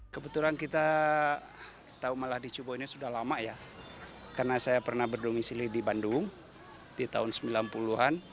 kebetulan kita tahu malah di cubo ini sudah lama ya karena saya pernah berdomisili di bandung di tahun sembilan puluh an